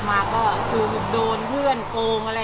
เขาไปเนื้อเพื่อนนอกมาไง